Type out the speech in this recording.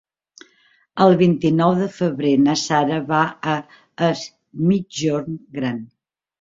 El vint-i-nou de febrer na Sara va a Es Migjorn Gran.